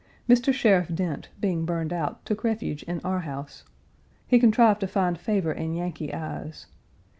Mr. Sheriff Dent, being burned out, took refuge in our house. He contrived to find favor in Yankee eyes.